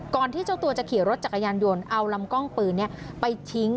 ที่เจ้าตัวจะขี่รถจักรยานยนต์เอาลำกล้องปืนไปทิ้ง